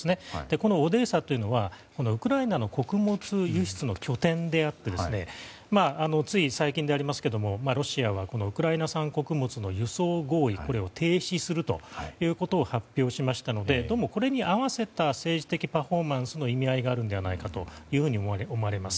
このオデーサというのはウクライナの穀物輸出の拠点であってつい最近ですがロシアはウクライナ産穀物の輸送合意を停止するということを発表しましたのでどうもこれに合わせた政治的パフォーマンスの意味合いがあるのではないかと思われます。